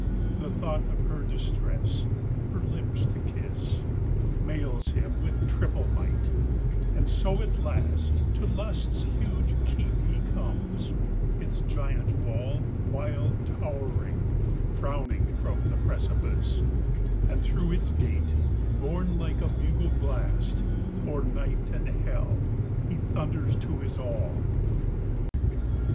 The thought of her distress, her lips to kiss, Mails him with triple might; and so at last To Lust's huge keep he comes; its giant wall, Wild towering, frowning from the precipice; And through its gate, borne like a bugle blast, O'er night and hell he thunders to his all.